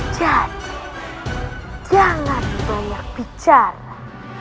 jadi jangan banyak bicara